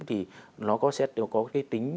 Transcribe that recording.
thì nó sẽ có cái tính